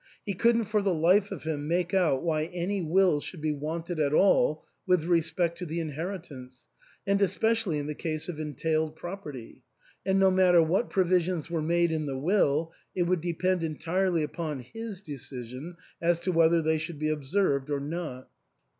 He couldn't for the life of him make out why any will should be wanted at all with respect to the inheritance, and especially in the case of entailed property ; and no matter what provisions were made in the will, it would depend entirely upon his decision as to whether they should be observed or not.